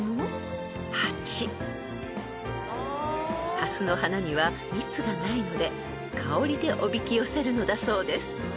［ハスの花には蜜がないので香りでおびき寄せるのだそうです］